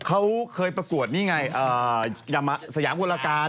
เขาเคยประกวดนี่ไงสยามกลการ